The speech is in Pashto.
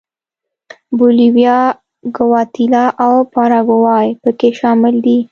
بولیویا، ګواتیلا او پاراګوای په کې شامل دي.